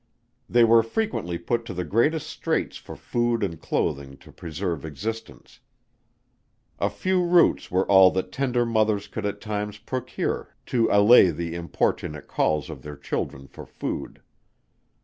They were frequently put to the greatest straits for food and clothing to preserve existence; a few roots were all that tender mothers could at times procure to allay the importunate calls of their children for food.